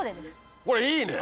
これいいね！